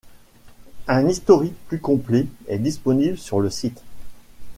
Un historique plus complet est disponible sur le site.